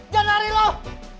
jangan lari loh